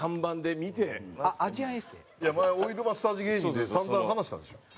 いや前オイルマッサージ芸人で散々話したでしょ。